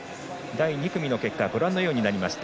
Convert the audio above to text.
第２組の結果はご覧のようになりました。